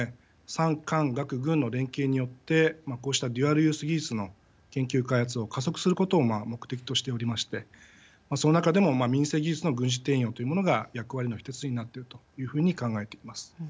産官学軍の連携によってこうしたデュアルユース技術の研究開発を加速することを目的としておりましてその中でも民生技術の軍事転用というものが役割の一つになっているというふうに考えています。